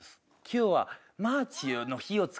今日は。